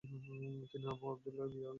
তিনি Abu Abdillah বা Boabdil নামে পরিচিত।